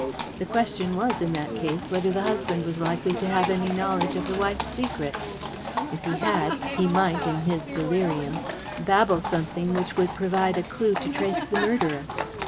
The question was, in that case, whether the husband was likely to have any knowledge of his wife's secret. If he had, he might, in his delirium, babble something which would provide a clue to trace the murderer.